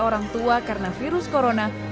orang tua karena virus corona